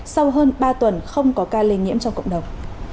sau hơn ba tuần không có ca lây nhiễm trong cộng đồng